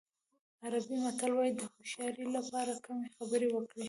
عربي متل وایي د هوښیارۍ لپاره کمې خبرې وکړئ.